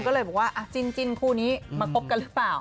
ก็เลยจิ้นคู่นี้มาโป๊บกันหรือเปล่า